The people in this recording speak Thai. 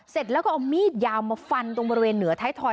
เสร็จแล้วก็เอามีดยาวมาฟันตรงบริเวณเหนือท้ายทอย